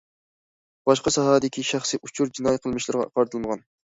باشقا ساھەدىكى شەخسىي ئۇچۇر جىنايى قىلمىشلىرىغا قارىتىلمىغان.